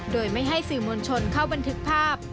โดยไม่ให้สื่อมวลชนเข้าบันทึกภาพ